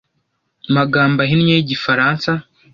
magambo ahinnye y igifaransa